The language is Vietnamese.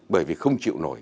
bởi vì không chịu nổi